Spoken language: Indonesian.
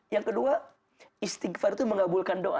yang kedua istighfar itu mengabulkan doa